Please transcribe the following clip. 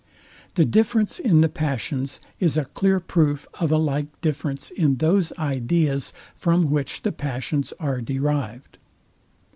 The difference in the passions is a clear proof of a like difference in those ideas, from which the passions are derived.